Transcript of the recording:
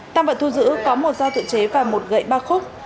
tăng vật thu giữ có một dao tự chế và một gậy ba khúc